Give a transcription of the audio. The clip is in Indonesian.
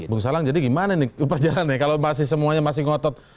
bung salang jadi gimana nih keupacaran ya kalau semuanya masih ngotot